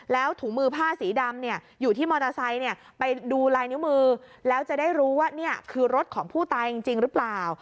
แล้วถุงมือผ้าสีดำอยู่ที่มอเตอร์ไซค์ไปดูลายนิ้วมือแล้วจะได้รู้ว่านี่คือรถของผู้ตายจริงหรือเปล่า